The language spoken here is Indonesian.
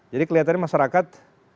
jadi kelihatannya masyarakat